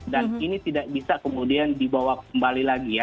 dan ini tidak bisa kemudian dibawa kembali lagi ya